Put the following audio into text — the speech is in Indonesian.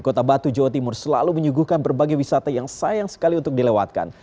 kota batu jawa timur selalu menyuguhkan berbagai wisata yang sayang sekali untuk dilewatkan